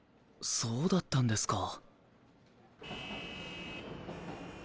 そうだったんですか。